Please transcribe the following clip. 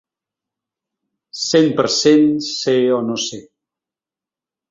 Cent per cent Ser o no ser.